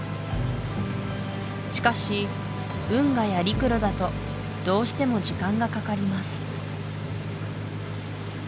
しかし運河や陸路だとどうしても時間がかかります